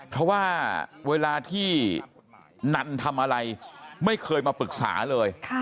เพราะว่าเวลาที่นันทำอะไรไม่เคยมาปรึกษาเลย